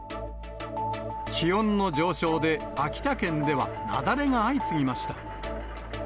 気温の上昇で秋田県では雪崩が相次ぎました。